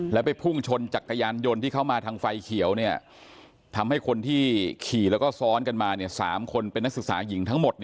แล้วไปพุ่งชนจักรยานยนต์ที่เข้ามาทางไฟเขียวทำให้คนที่ขี่แล้วก็ซ้อนกันมา๓คนเป็นนักศึกษาหญิงทั้งหมด